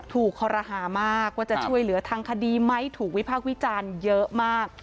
คอรหามากว่าจะช่วยเหลือทางคดีไหมถูกวิพากษ์วิจารณ์เยอะมาก